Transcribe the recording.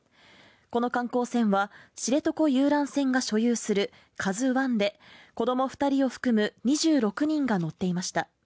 この観光船は知床遊覧船が所有する「ＫＡＺＵⅠ」で、子供２人を含む２６人が乗っていました。